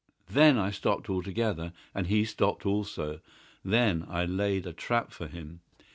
Then I stopped altogether, but he stopped also. Then I laid a trap for him.